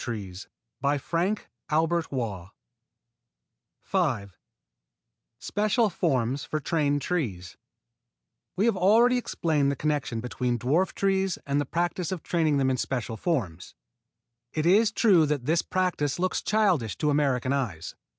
14 CORDON PEARS After pruning] V SPECIAL FORMS FOR TRAINED TREES We have already explained the connection between dwarf trees and the practise of training them in special forms. It is true that this practise looks childish to American eyes.